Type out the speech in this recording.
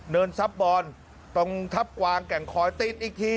เนินทับบอลตรงทับกวางแก่งคอยติดอีกที